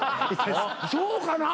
そうかな？